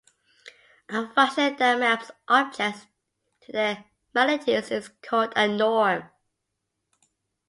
A function that maps objects to their magnitudes is called a norm.